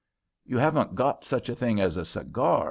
"You haven't got such a thing as a cigar?"